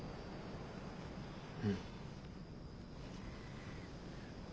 うん。